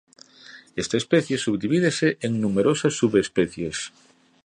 Esta especie subdivídese en numerosas subespecies.